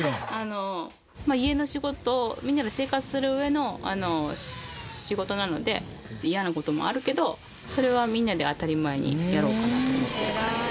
家の仕事みんなで生活する上の仕事なので嫌な事もあるけどそれはみんなで当たり前にやろうかなと思ってるからです。